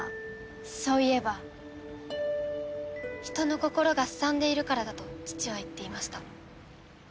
人の心がすさんでいるからだと父は言っていました。